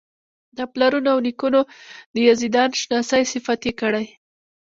د پلرونو او نیکونو د یزدان شناسۍ صفت یې کړی.